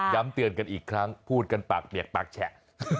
เตือนกันอีกครั้งพูดกันปากเปียกปากแฉะ